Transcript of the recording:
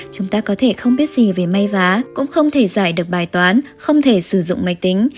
chúng ta có thể không biết gì về may vá cũng không thể giải được bài toán không thể sử dụng máy tính